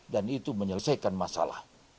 dan itu menyelesaikan masalah